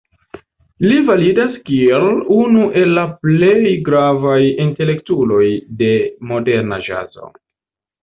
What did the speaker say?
Li validas kiel unu el la plej gravaj intelektuloj de moderna ĵazo.